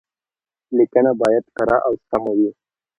ليکنه بايد کره او سمه وي.